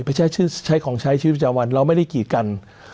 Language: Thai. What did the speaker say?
ไปใช้ของใช้ชีวิตประจำวันเราไม่ได้กีดกัน